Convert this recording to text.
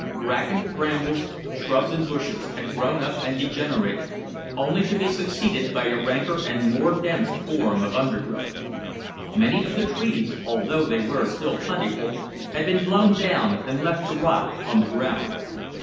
Bracken, brambles, shrubs and bushes had grown up and degenerated, only to be succeeded by a ranker and more dense form of undergrowth. Many of the trees, although they were still plentiful, had been blown down and left to rot on the ground.